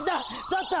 ちょっと！